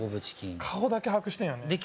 顔だけ把握してんよねで